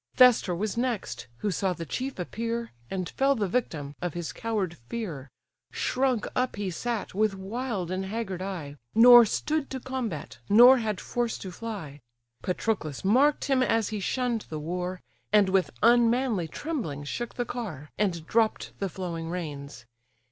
Thestor was next, who saw the chief appear, And fell the victim of his coward fear; Shrunk up he sat, with wild and haggard eye, Nor stood to combat, nor had force to fly; Patroclus mark'd him as he shunn'd the war, And with unmanly tremblings shook the car, And dropp'd the flowing reins.